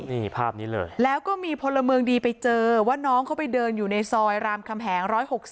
นี่ภาพนี้เลยแล้วก็มีพลเมืองดีไปเจอว่าน้องเขาไปเดินอยู่ในซอยรามคำแหง๑๖๐